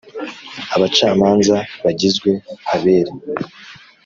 Abacamanza bagizwe abere.